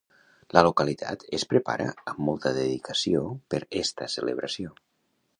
La localitat es prepara amb molta dedicació per esta celebració.